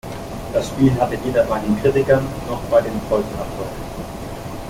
Das Spiel hatte weder bei den Kritikern noch bei den Käufern Erfolg.